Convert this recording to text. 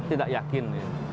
saya tidak yakin